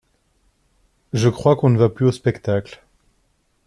Je crois qu'on ne va plus aux spectacles.